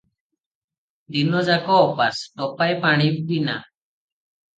ଦିନ ଯାକ ଓପାସ – ଟୋପାଏ ପାଣି ବି ନା ।